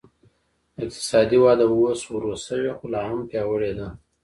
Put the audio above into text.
اقتصادي وده اوس ورو شوې خو لا هم پیاوړې ده.